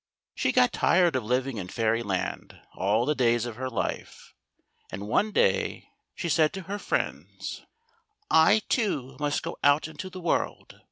She got tired of living in Fairyland all the days of her life, and one day she said to her friends :" I too must go out into the world.